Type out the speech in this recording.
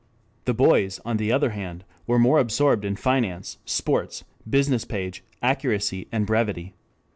The boys on the other hand were more absorbed in finance, sports, business page, "accuracy" and "brevity."